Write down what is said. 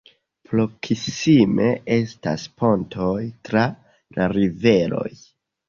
Proksime estas pontoj tra la riveroj.